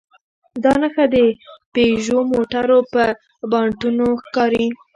دا نښه د پيژو موټرو پر بانټونو ښکاري.